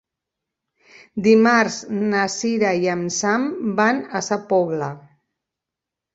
Dimarts na Cira i en Sam van a Sa Pobla.